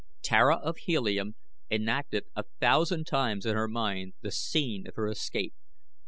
Tara of Helium enacted a thousand times in her mind the scene of her escape.